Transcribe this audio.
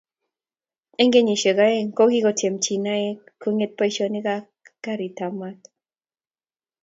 eng kenyishek aeng, kokikotiem Chinaek kongeet boishonik ak karit ab maat